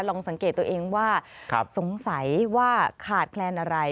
ลองสังเกตตัวเองว่าสงสัยว่าขาดแคลนอะไร